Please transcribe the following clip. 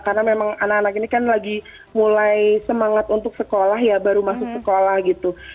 karena memang anak anak ini kan lagi mulai semangat untuk sekolah ya baru masuk sekolah gitu